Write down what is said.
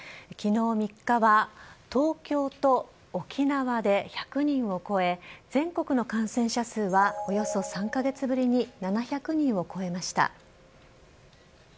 きのう３日は、東京と沖縄で１００人を超え、全国の感染者数はおよそ３か月ぶりに７００人を超えました。